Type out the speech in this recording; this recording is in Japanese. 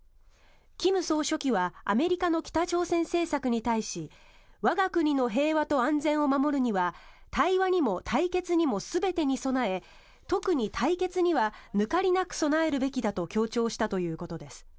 金総書記はアメリカの北朝鮮政策に対し我が国の平和と安全を守るには対話にも対決にも全てに備え特に対決には抜かりなく備えるべきだと強調したということです。